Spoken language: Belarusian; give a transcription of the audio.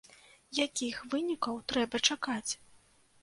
Якіх вынікаў трэба чакаць?